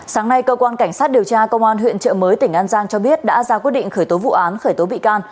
sáng nay cơ quan cảnh sát điều tra công an huyện trợ mới tỉnh an giang cho biết đã ra quyết định khởi tố vụ án khởi tố bị can